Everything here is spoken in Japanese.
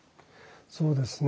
そうですね